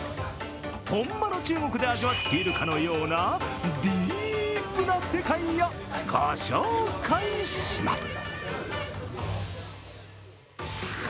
本場の中国で味わっているかのようなディープな世界をご紹介します。